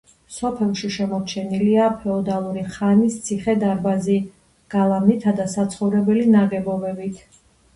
სოფელში შემორჩენილია ფეოდალური ხანის ციხე-დარბაზი გალავნითა და საცხოვრებელი ნაგებობებით.